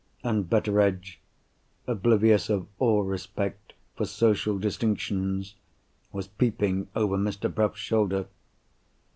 And Betteredge, oblivious of all respect for social distinctions, was peeping over Mr. Bruff's shoulder.